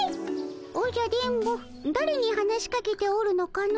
おじゃ電ボだれに話しかけておるのかの？